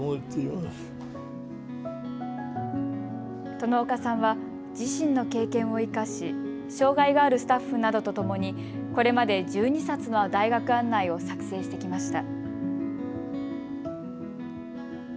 殿岡さんは自身の経験を生かし、障害があるスタッフなどとともにこれまで１２冊の大学案内を作成してきました。